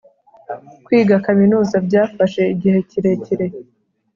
Kwiga Kaminuza byafashe igihe kirekire